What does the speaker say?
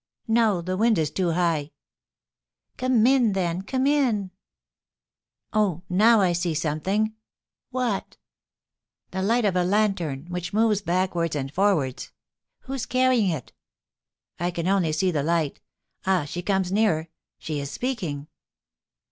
"No, the wind is too high." "Come in, then; come in." "Oh, now I see something!" "What?" "The light of a lantern, which moves backwards and forwards." "Who's carrying it?" "I can only see the light. Ah, she comes nearer, she is speaking!"